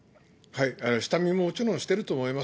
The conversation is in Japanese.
下見ももちろんしてると思います。